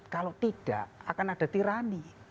kalau tidak akan ada tirani